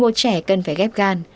một mươi một trẻ cần phải ghép gan